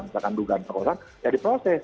misalkan dugaan perkosaan ya diproses